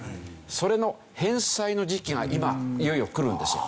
それの返済の時期が今いよいよ来るんですよ。